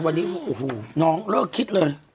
วันนี้โอ้โหน้องเลิกคิดเลย